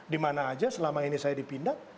di mana saja selama ini saya dipindah